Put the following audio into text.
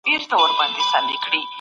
د سترګو اوښکي دي خوړلي ګراني